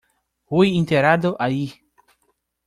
Fue enterrado allí.